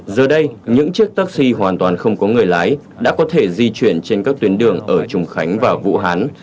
giờ đây những chiếc taxi hoàn toàn không có người lái đã có thể di chuyển trên các tuyến đường ở trùng khánh và vũ hán